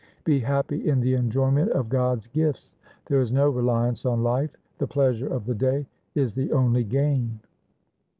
Be happy in the enjoyment of God's gifts. There is no reliance on life. The pleasure of the day is the only gain.'